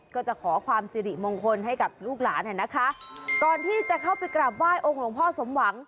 ก็จะขอความสิริมงคลให้กับลูกหลานเนี่ยนะคะก่อนที่จะเข้าไปกราบไห้องค์หลวงพ่อสมหวัง